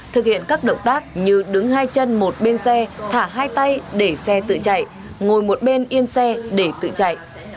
thực hiện các động tác như đứng hai chân một bên xe thả hai tay để xe tự chạy ngồi một bên yên xe để tự chạy